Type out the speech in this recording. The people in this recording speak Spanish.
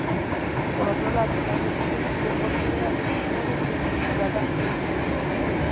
Por otro lado, la revista emitió por primera vez una versión limitada en vinilo.